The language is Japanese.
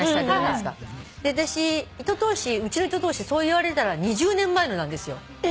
うちの糸通しそういわれたら２０年前のなんですよ。